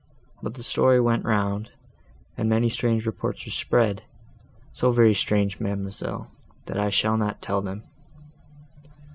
But the story went round, and many strange reports were spread, so very strange, ma'amselle, that I shall not tell them."